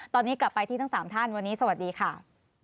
ตอนนี้กลับไปที่ทั้ง๓ท่านวันนี้สวัสดีค่ะ